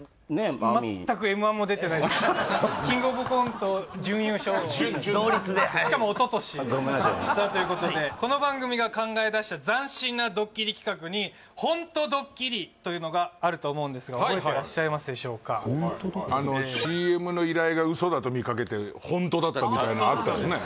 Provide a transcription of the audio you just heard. マミィキングオブコント準優勝同率ではいしかもおととしさあということでこの番組が考え出した斬新なドッキリ企画にホントドッキリというのがあると思うんですが覚えていらっしゃいますでしょうかＣＭの依頼がウソだと見かけてホントだったみたいなあったよね